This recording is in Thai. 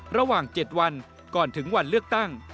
ระหว่าง๗วันก่อนถึงวันเลือกตั้ง